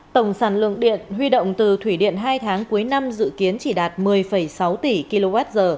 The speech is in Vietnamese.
tổng sản lượng điện huy động từ thủy điện hai tháng cuối năm dự kiến chỉ đạt một mươi sáu tỷ kwh